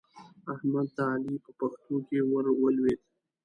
احمد د علي په پښتو کې ور ولوېد.